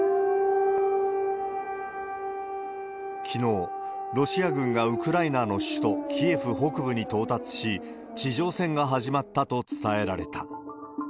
きのう、ロシア軍がウクライナの首都キエフ北部に到達し、地上戦が始まったと伝えられた。